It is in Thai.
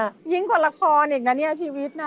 ยิ้งคนละครอีกนะเนี่ยชีวิตน่ะ